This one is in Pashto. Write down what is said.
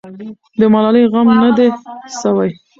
د ملالۍ غم نه دی سوی.